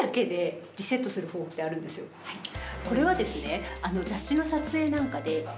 これはですね